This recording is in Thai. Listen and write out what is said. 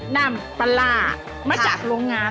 นำปลาร่ามาจากโรงงาน